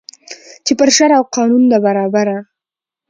چي پر شرع او قانون ده برابره